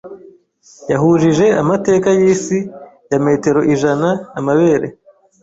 Yahujije amateka yisi ya metero ijana-amabere.